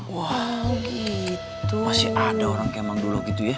wah masih ada orang kayak mang dulo gitu ya